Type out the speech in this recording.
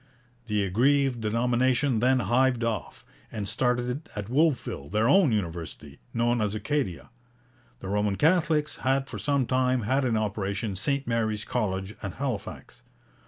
The aggrieved denomination then hived off, and started at Wolfville their own university, known as Acadia. The Roman Catholics had for some time had in operation St Mary's College at Halifax.